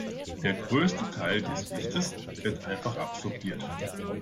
Der größte Teil des Lichtes wird einfach absorbiert.